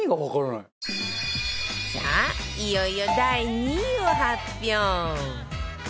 いよいよ第２位を発表